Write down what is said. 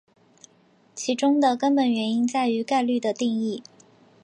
其中的根本原因在于概率的定义。